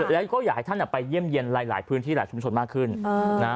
แล้วก็อยากให้ท่านไปเยี่ยมเยี่ยมหลายพื้นที่หลายชุมชนมากขึ้นนะ